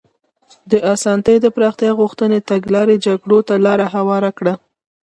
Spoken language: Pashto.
د اسانتي د پراختیا غوښتنې تګلارې جګړو ته لار هواره کړه.